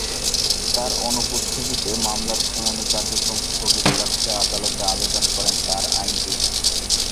তাঁর অনুপস্থিতিতে মামলার শুনানি কার্যক্রম স্থগিত রাখতে আদালতে আবেদন করেন তাঁর আইনজীবী।